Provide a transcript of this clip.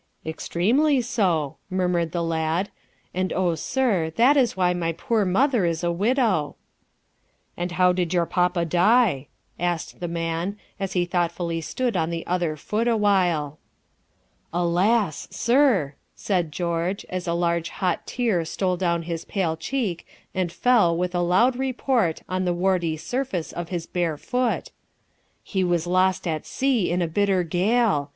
"Extremely so," murmured the lad, "and, oh, sir, that is why my poor mother is a widow." "And how did your papa die?" asked the man, as he thoughtfully stood on the other foot a while. "Alas! sir," said George, as a large hot tear stole down his pale cheek and fell with a loud report on the warty surface of his bare foot, "he was lost at sea in a bitter gale.